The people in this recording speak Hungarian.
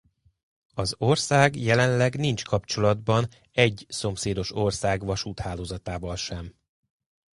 Az ország jelenleg nincs kapcsolatban egy szomszédos ország vasúthálózatával sem.